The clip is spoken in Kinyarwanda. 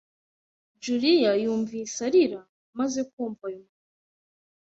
Julia yumvise arira amaze kumva ayo makuru.